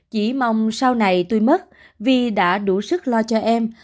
chỉ mong sau này tuy mất vi đã đủ sức lo cho em